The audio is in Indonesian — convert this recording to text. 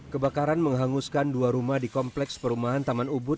kebakaran menghanguskan dua rumah di kompleks perumahan taman ubud